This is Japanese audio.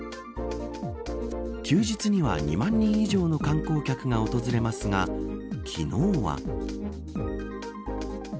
休日には２万人以上の観光客が訪れますが昨日は。